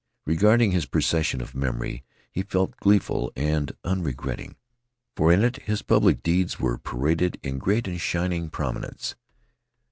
Regarding his procession of memory he felt gleeful and unregretting, for in it his public deeds were paraded in great and shining prominence.